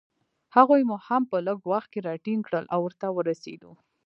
هغوی مو هم په لږ وخت کې راټینګ کړل، او ورته ورسېدو.